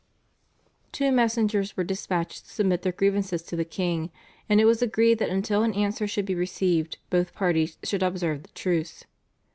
Two messengers were dispatched to submit their grievances to the king, and it was agreed that until an answer should be received both parties should observe the truce.